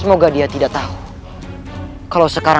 aku akan mengejarku